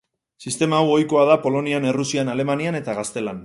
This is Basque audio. Sistema hau ohikoa da Polonian, Errusian, Alemanian eta Gaztelan.